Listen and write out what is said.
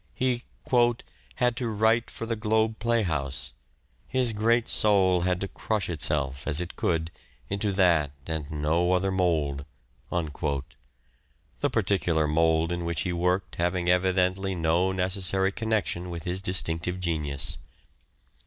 He " had to write for the Globe Playhouse : his great soul had to crush itself, as it could, into that and no other mould "— the particular mould in which he worked having evidently no necessary connection with his distinctive genius.